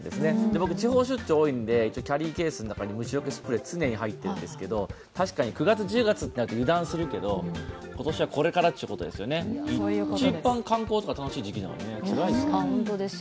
僕、地方出張が多いんでキャリーケースに虫よけスプレー、常に入っているんですけど確かに９月１０月は油断するけど今年はこれからということですよね、一番観光とか楽しい時期なのに、つらいですね。